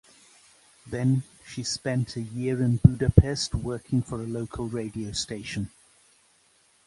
Then she spent a year in Budapest working for a local radio station.